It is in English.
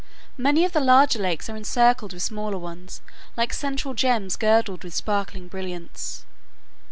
Many of the larger lakes are encircled with smaller ones like central gems girdled with sparkling brilliants.